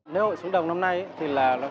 lễ hội xuống đồng năm nay